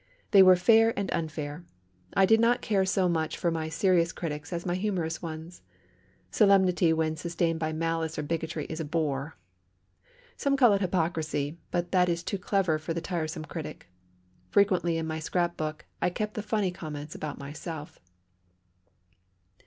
They were fair and unfair. I did not care so much for my serious critics as my humorous ones. Solemnity when sustained by malice or bigotry is a bore. Some call it hypocrisy, but that is too clever for the tiresome critic. Frequently, in my scrap book, I kept the funny comments about myself.